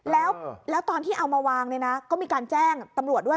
แล้วตอนที่เอามาวางเนี่ยนะก็มีการแจ้งตำรวจด้วย